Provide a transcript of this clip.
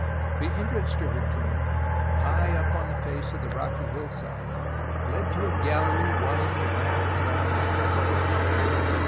The entrance to her tomb, high up on the face of the rocky hillside, led to a gallery winding round and round like a corkscrew.